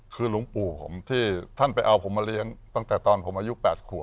คือหลวงปู่ผมที่ท่านไปเอาผมมาเลี้ยงตั้งแต่ตอนผมอายุ๘ขวบ